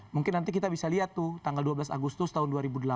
mungkin nanti kita bisa lihat tuh tanggal dua belas agustus tahun dua ribu delapan belas